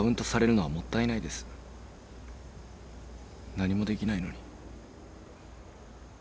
何もできないのに。